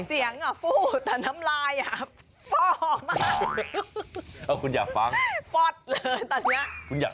เสียงฟูแต่น้ำลายฟ่อมาก